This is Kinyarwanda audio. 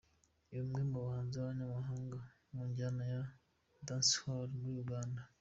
Ni umwe mu bahanzi b’abahanga mu njyana ya Dancehall muri Uganda.